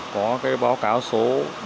có cái báo cáo số bốn mươi ba